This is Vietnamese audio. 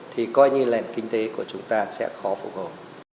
thì coi như lền kinh tế của chúng ta sẽ khó phục hồi